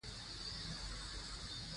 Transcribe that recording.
ازادي راډیو د روغتیا پرمختګ سنجولی.